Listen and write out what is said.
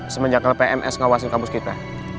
semenjak pms ngawasin kampus kita